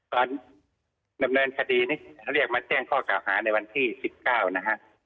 การดำเนินคดีนี่เรียกมาแจ้งข้อกล่าวหาในวันที่๑๙นะฮะ